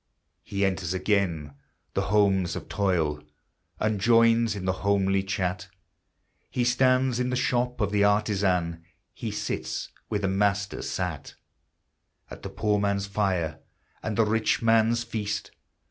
He enters again the homes of toil, And joins in the homely chat; He stands in the shop of the artisan; He sits, where the Master sat, At the poor man's fire and the rich man's feast.